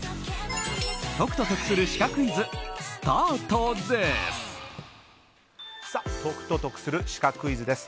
解くと得するシカクイズスタートです。